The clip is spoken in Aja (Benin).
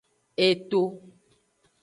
Eto.